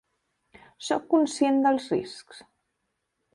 Sóc conscient dels riscs.